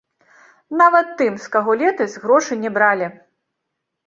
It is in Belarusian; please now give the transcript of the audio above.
Нават тым, з каго летась грошы не бралі.